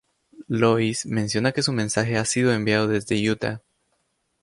Lois menciona que su mensaje ha sido enviado desde Utah.